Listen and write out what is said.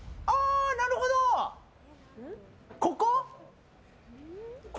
ここ？